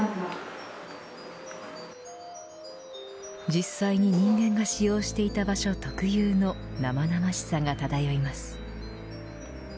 実際に人間が使用していた場所特有の生々しさが漂います。